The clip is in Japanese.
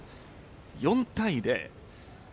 ４対０。